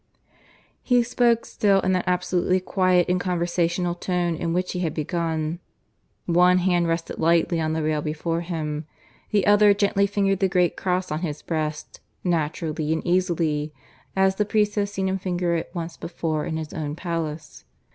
He spoke still in that absolutely quiet and conversational tone in which he had begun. One hand rested lightly on the rail before him; the other gently fingered the great cross on his breast, naturally and easily, as the priest had seen him finger it once before in his own palace.